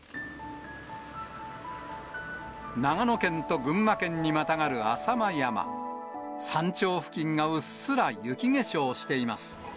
長野県と群馬県にまたがる浅間山、山頂付近がうっすら雪化粧しています。